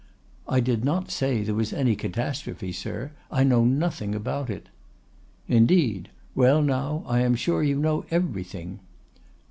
"'I did not say there was any catastrophe, sir. I know nothing about it.' "'Indeed. Well, now, I am sure you know everything.